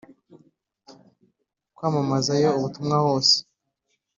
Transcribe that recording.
kwamamazayo ubutumwa hose